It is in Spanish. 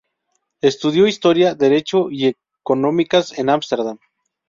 Estudió Historia, Derecho y Económicas en Ámsterdam.